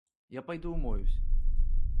Я пойду умоюсь.